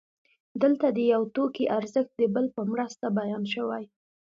دلته د یو توکي ارزښت د بل په مرسته بیان شوی